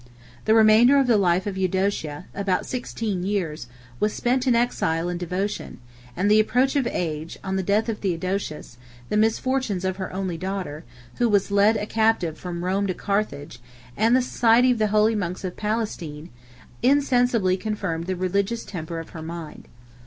The remainder of the life of Eudocia, about sixteen years, was spent in exile and devotion; and the approach of age, the death of Theodosius, the misfortunes of her only daughter, who was led a captive from Rome to Carthage, and the society of the Holy Monks of Palestine, insensibly confirmed the religious temper of her mind.